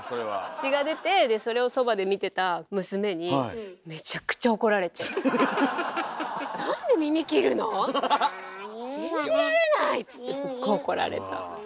血が出てそれをそばで見てた「なんで耳切るの⁉信じられない！」ってすっごい怒られた。